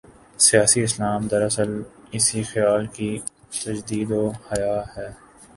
'سیاسی اسلام‘ دراصل اسی خیال کی تجدید و احیا ہے۔